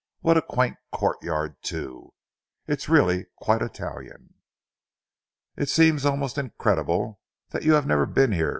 "What a quaint courtyard, too! It really is quite Italian." "It seems almost incredible that you have never been here!"